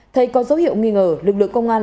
thấy có dấu hiệu nghi ngờ lực lượng công an